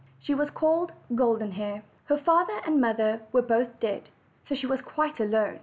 She was called Golden Hair. Her father and mother were both dead, so she was quite alone.